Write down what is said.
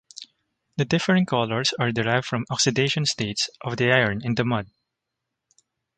The differing colors are derived from oxidation states of the iron in the mud.